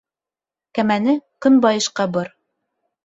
— Кәмәне көнбайышҡа бор.